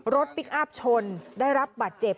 พลิกอัพชนได้รับบาดเจ็บ